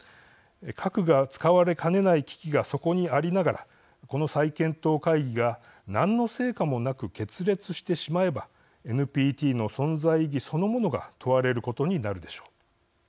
核が使われかねない危機がそこにありながらこの再検討会議が何の成果もなく決裂してしまえばＮＰＴの存在意義そのものが問われることになるでしょう。